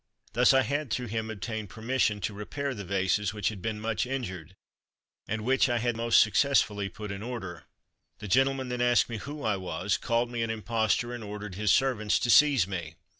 Thus I had through him obtained permission to repair the vases which had been much injured, and which I had most successfully put in order. The gentleman then asked me who I was, called me an impostor, and ordered his servants to seize me.